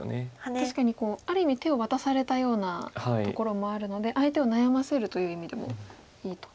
確かにある意味手を渡されたようなところもあるので相手を悩ませるという意味でもいいと。